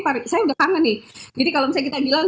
parik saya udah kangen nih jadi kalau misalnya kita bilang